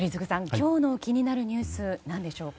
今日の気になるニュース何でしょうか。